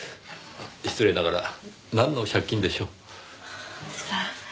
失礼ながらなんの借金でしょう？さあ。